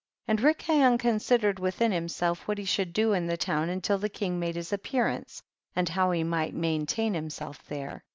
7. And Rikayon considered with in himself what he should do in the town until the king made his appear ance, and how he might maintain himself there.